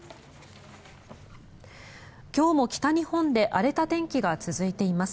今日も北日本で荒れた天気が続いています。